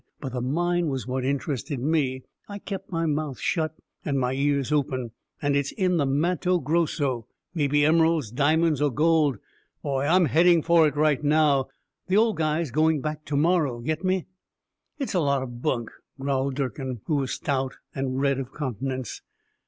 But the mine was what interested me. I kept my mouth shut and my ears open, and it's in the Matto Grosso. May be emeralds, diamonds, or gold. Boy, I'm heading for it, right now. The old guy's going back to morrow, get me?" "It's a lot of bunk," growled Durkin, who was stout and red of countenance.